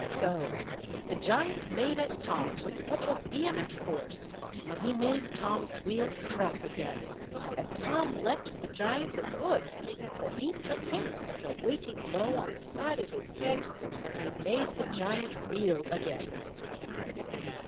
So the giant made at Tom with such a vehement force that he made Tom's wheel crack again, and Tom lent the giant as good, for he took him such a weighty blow on the side of his head, that he made the giant reel again.